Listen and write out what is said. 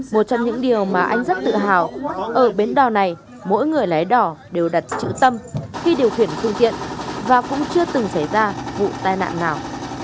một trong những điều mà anh rất tự hào ở bến đò này mỗi người lái đỏ đều đặt chữ tâm khi điều khiển phương tiện và cũng chưa từng xảy ra vụ tai nạn nào